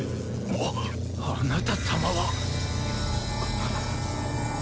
あぁっあなた様は。